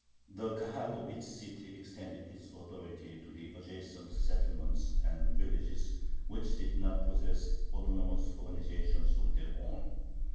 The Kahal of each city extended its authority to the adjacent settlements and villages which did not possess autonomous organizations of their own.